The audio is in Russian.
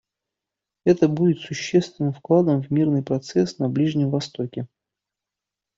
Это будет существенным вкладом в мирный процесс на Ближнем Востоке.